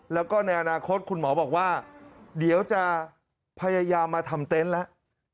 แล้วก็ในอนาคตคุณหมอบอกว่าเดี๋ยวจะพยายามมาทำเต็นต์แล้ว